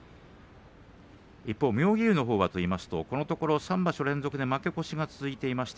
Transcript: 一方、妙義龍のほうですがこのところ３場所連続で負け越しが続いていました。